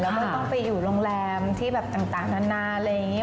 แล้วก็ต้องไปอยู่โรงแรมที่แบบต่างนานาอะไรอย่างนี้